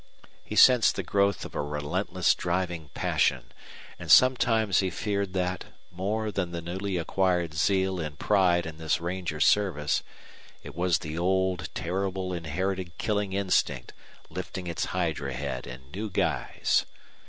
He sensed the growth of a relentless driving passion, and sometimes he feared that, more than the newly acquired zeal and pride in this ranger service, it was the old, terrible inherited killing instinct lifting its hydra head in new guise.